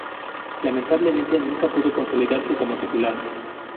Lamentablemente, nunca pudo consolidarse como titular.